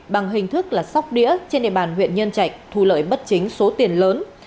bằng hình thức là sóc đĩa trên địa bàn huyện nhân trạch thu lợi bất chính số tiền lớn